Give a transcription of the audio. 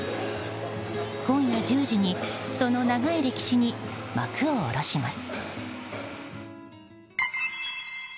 今夜１０時に、その長い歴史に幕を下ろします。